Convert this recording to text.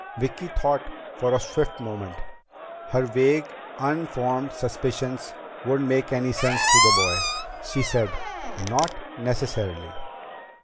Vicki thought for a swift moment. Her vague, unformed suspicions wouldn't make any sense to the boy. She said: "Not necessarily.